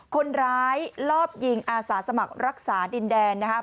คนร้ายลอบยิงอาสาสมัครรักษาดินแดนนะครับ